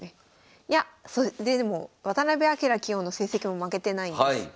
いやでも渡辺明棋王の成績も負けてないんです。